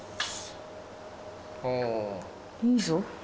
いいぞ。